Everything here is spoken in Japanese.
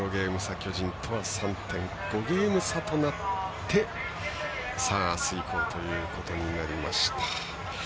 巨人と３．５ゲーム差となってあす以降ということになりました。